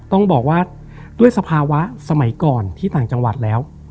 ต้องบอกว่าด้วยสภาวะสมัยก่อนที่ต่างจังหวัดแล้ว